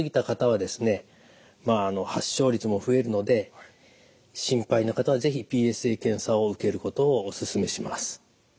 発症率も増えるので心配な方は是非ＰＳＡ検査を受けることをお勧めします。